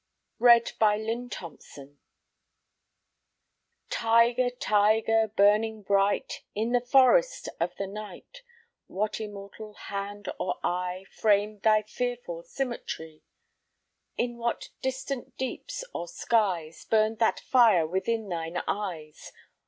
THE TIGER Tiger, Tiger, burning bright In the forest of the night, What immortal hand or eye Framed thy fearful symmetry? In what distant deeps or skies Burned that fire within thine eyes?